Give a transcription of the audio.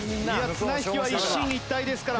綱引きは一進一退ですから。